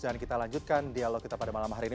dan kita lanjutkan dialog kita pada malam hari ini